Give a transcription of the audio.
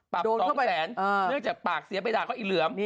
สองแสนเนื่องจากปากเสียไปด่าเขาอีเหลือม